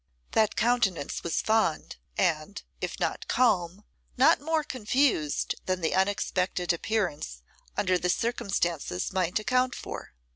That countenance was fond, and, if not calm, not more confused than the unexpected appearance under the circumstances might account for.